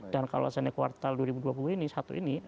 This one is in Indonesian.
dan kalau misalnya kuartal dua ribu dua puluh ini satu ini